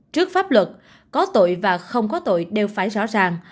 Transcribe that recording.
trước pháp luật có tội và không có tội đều phải rõ ràng